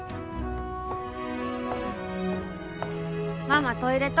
ママトイレと？